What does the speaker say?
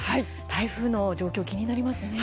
台風の状況、気になりますね。